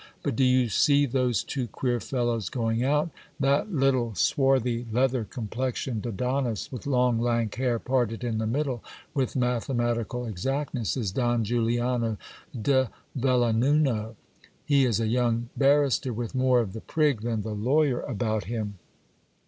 But do you see those two queer fellows going out ? That little swarthy, leather com plexioned Adonis, with long lank hair parted in the middle with mathematical exactness, is Don Juliano de Villanuno. He is a young barrister, with more of the prig than the lawyer about him.